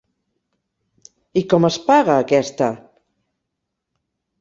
I com es paga aquesta??